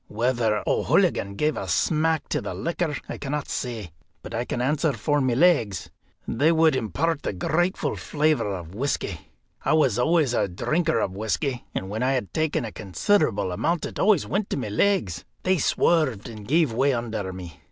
Whether O'Hooligan gave a smack to the liquor I cannot say, but I can answer for my legs, they would impart a grateful flavour of whisky. I was always a drinker of whisky, and when I had taken a considerable amount it always went to my legs; they swerved, and gave way under me.